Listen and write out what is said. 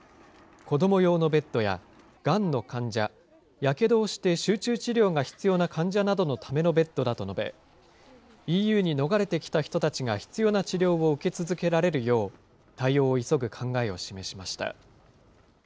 子ども用のベッドやがんの患者、やけどをして集中治療が必要な患者などのためのベッドだと述べ、ＥＵに逃れてきた人たちが必要な治療を受け続けられるよう、対応を急ぐ考えを示しました。